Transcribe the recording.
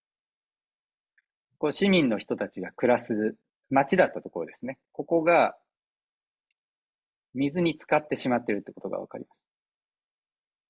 市民の人たちが暮らす街だったところですね、ここが水につかってしまっていることが分かります。